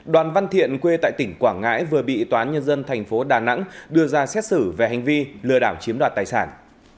đoàn văn thiện quê tại tỉnh quảng ngãi vừa bị tòa nhân dân thành phố đà nẵng đưa ra xét xử về hành vi lừa đảo chiếm đoạt tài sản